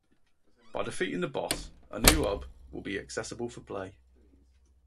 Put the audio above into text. By defeating the boss, a new hub will be accessible for play.